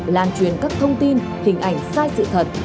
lan truyền các thông tin hình ảnh sai sự thật